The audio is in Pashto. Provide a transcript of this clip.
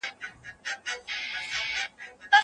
هغه مسواک چې تا راکړ ډېر ښه و.